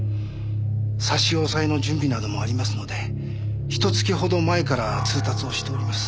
差し押さえの準備などもありますのでひと月ほど前から通達をしております。